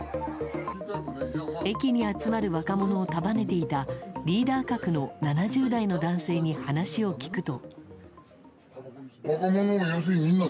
駅に集まる若者を束ねていたリーダー格の７０代の男性に話を聞くと。